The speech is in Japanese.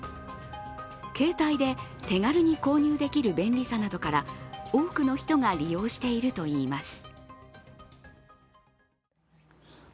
携帯で手軽に購入できる便利さなどから多くの人が利用しているといいます。